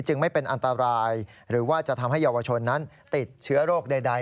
ไม่เป็นอันตรายหรือว่าจะทำให้เยาวชนนั้นติดเชื้อโรคใด